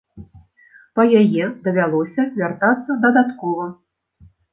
Па яе давялося вяртацца дадаткова.